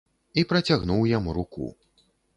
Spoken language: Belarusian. І працягнуў яму руку.